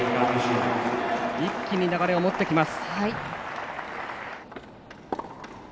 一気に流れを持っていきます。